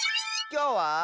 きょうは。